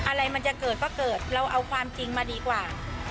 อะไรมันจะเกิดก็เกิดเราเอาความจริงมาดีกว่า